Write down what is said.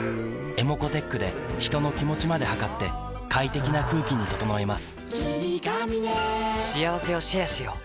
ｅｍｏｃｏーｔｅｃｈで人の気持ちまで測って快適な空気に整えます